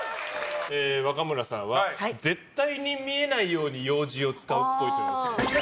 若村さんは絶対に見えないようにようじを使うっぽい。